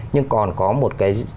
nhưng còn có một cái